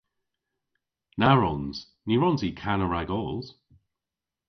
Na wrons. Ny wrons i kana ragos.